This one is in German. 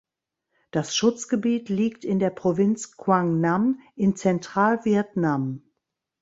Das Schutzgebiet liegt in der Provinz Quang Nam in Zentralvietnam.